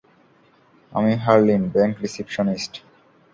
আমি Harleen, bank receptionist.